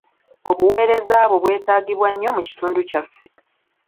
Obuweereza bwo bwetaagibwa nnyo mu kitundu kyaffe.